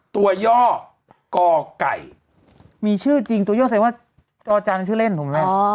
ตัวย่อกล้อกไก่มีชื่อจริงตัวย่อใส่ว่าจอจารเป็นชื่อเล่นถูกมั้ย